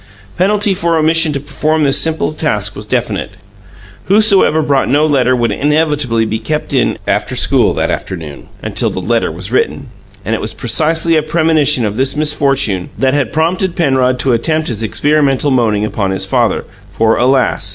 Penalty for omission to perform this simple task was definite; whosoever brought no letter would inevitably be "kept in" after school, that afternoon, until the letter was written, and it was precisely a premonition of this misfortune that had prompted Penrod to attempt his experimental moaning upon his father, for, alas!